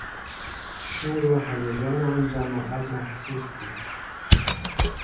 شور و هیجان آن جماعت محسوس بود.